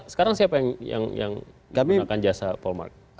sekarang siapa yang melakukan jasa paul mark